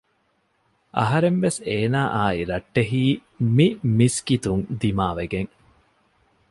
އަހަރެން ވެސް އޭނާއާއި ރައްޓެހީ މި މިސްކިތުން ދިމާ ވެގެން